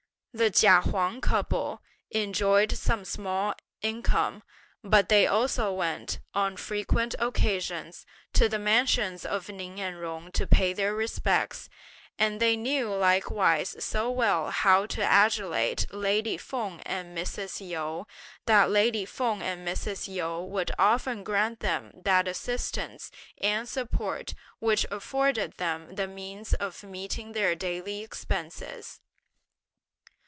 The Chia Huang couple enjoyed some small income; but they also went, on frequent occasions, to the mansions of Ning and Jung to pay their respects; and they knew likewise so well how to adulate lady Feng and Mrs. Yu, that lady Feng and Mrs. Yu would often grant them that assistance and support which afforded them the means of meeting their daily expenses.